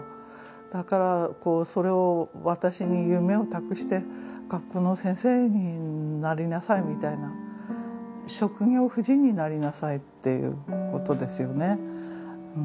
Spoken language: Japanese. だからそれを私に夢を託して学校の先生になりなさいみたいな職業婦人になりなさいっていうことですよね。